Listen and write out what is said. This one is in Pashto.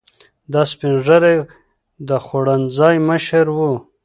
دا سپین ږیری د خوړنځای مشر و.